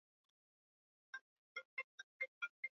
Wanawake ni laki saba na nane na arobaini na sita